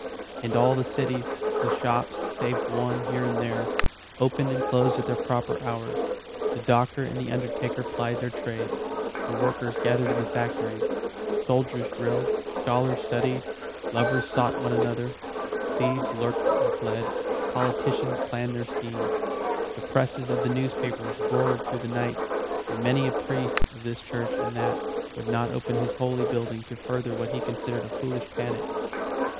In all the cities the shops, save one here and there, opened and closed at their proper hours, the doctor and the undertaker plied their trades, the workers gathered in the factories, soldiers drilled, scholars studied, lovers sought one another, thieves lurked and fled, politicians planned their schemes. The presses of the newspapers roared through the nights, and many a priest of this church and that would not open his holy building to further what he considered a foolish panic.